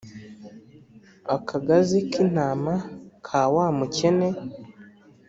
Akagazi k’ intama ka wa mukene